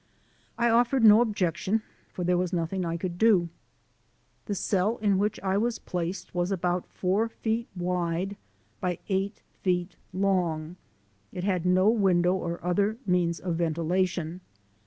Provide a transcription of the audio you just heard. I offered no objection, for there was nothing I could do. The cell in which I was placed was about four 266 THE SOUL OF AN IMMIGRANT feet wide by eight feet long. It had no window or other means of ventilation.